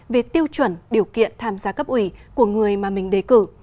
về tiêu chuẩn điều kiện tham gia cấp ủy của người mà mình đề cử